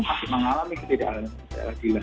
masih mengalami ketidakadilan